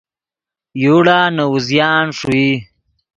یوڑا نے اوزیان ݰوئی